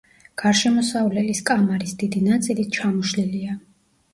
გარშემოსავლელის კამარის დიდი ნაწილი ჩამოშლილია.